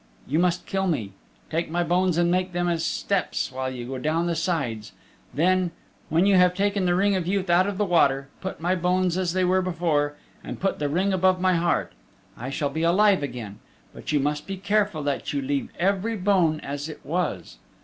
You must kill me. Take my bones and make them as steps while you go down the sides. Then, when you have taken the Ring of Youth out of the water, put my bones as they were before, and put the Ring above my heart. I shall be alive again. But you must be careful that you leave every bone as it was."